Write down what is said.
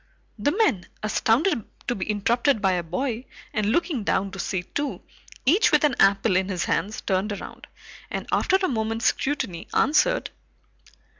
The men, astounded to be interrupted by a boy, and looking down to see two, each with an apple in his hands, turned around, and after a moment's scrutiny, answered.